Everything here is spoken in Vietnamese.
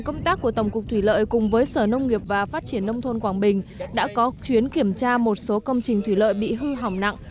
công tác của tổng cục thủy lợi cùng với sở nông nghiệp và phát triển nông thôn quảng bình đã có chuyến kiểm tra một số công trình thủy lợi bị hư hỏng nặng